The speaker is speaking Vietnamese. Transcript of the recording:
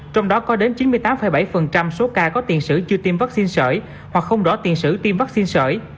trong đó có đến chín mươi tám bảy số ca có tiền sử chưa tiêm vaccine sởi hoặc không rõ tiền sử tiêm vaccine sởi